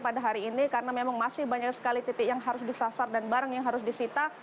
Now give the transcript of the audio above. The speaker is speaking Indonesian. pada hari ini karena memang masih banyak sekali titik yang harus disasar dan barang yang harus disita